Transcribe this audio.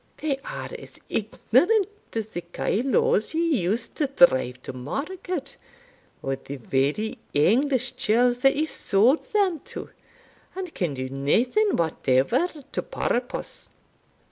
They are as ignorant as the kyloes ye used to drive to market, or the very English churls that ye sauld them to, and can do naething whatever to purpose."